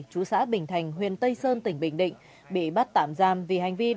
chú xã bình thành huyện tây sơn tỉnh bình định bị bắt tạm giam vì hành vi